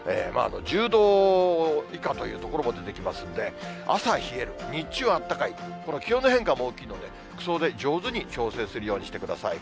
１０度以下という所も出てきますんで、朝、冷える、日中はあったかい、気温の変化も大きいので、服装で上手に調節するようしてください。